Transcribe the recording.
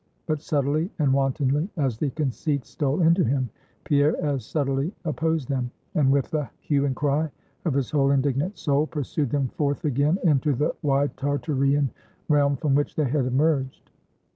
But subtilly and wantonly as these conceits stole into him, Pierre as subtilly opposed them; and with the hue and cry of his whole indignant soul, pursued them forth again into the wide Tartarean realm from which they had emerged.